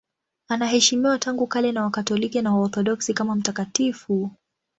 Anaheshimiwa tangu kale na Wakatoliki na Waorthodoksi kama mtakatifu.